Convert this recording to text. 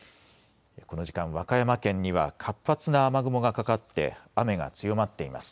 この時間、和歌山県には活発な雨雲がかかって雨が強まっています。